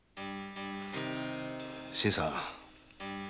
新さん。